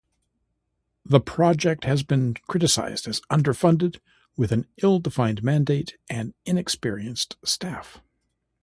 The project has been criticized as underfunded, with an ill-defined mandate and inexperienced staff.